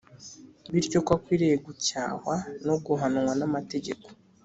. Bityo ko akwiriye gucyahwa no guhanwa namategeko